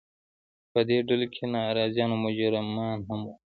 په دې ډلو کې ناراضیان او مجرمان هم وو.